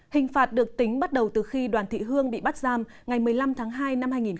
hình phạt được tính bắt đầu từ khi đoàn thị hương bị bắt giam ngày một mươi năm hai hai nghìn một mươi bảy